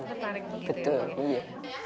tertarik begitu ya